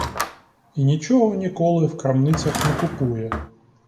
І нічого ніколи в крамницях не купує.